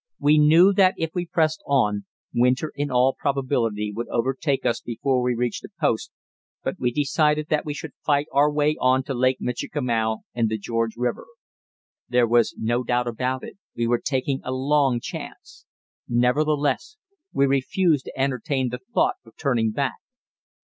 We knew that if we pressed on winter in all probability would overtake us before we reached a post, but we decided that we should fight our way on to Lake Michikamau and the George River. There was no doubt about it, we were taking a long chance; nevertheless, we refused to entertain the thought of turning back.